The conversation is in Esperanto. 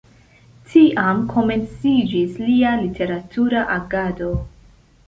Tiam komenciĝis lia literatura agado.